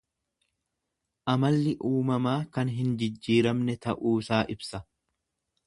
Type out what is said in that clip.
Amalli uumamaa kan hin jijjiiramne ta'uusaa ibsa.